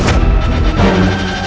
saya akan keluar